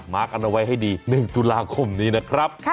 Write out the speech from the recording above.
กันเอาไว้ให้ดี๑ตุลาคมนี้นะครับ